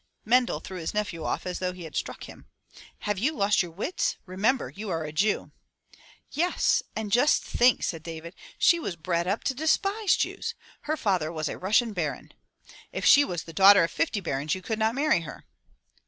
Mendel threw his nephew off as though he had struck him. "Have you lost your wits? Remember you are a Jew.'' '*Yes, and just think," said David, "she was bred up to despise Jews. Her father was a Russian baron." "If she was the daughter of fifty barons, you could not marry her."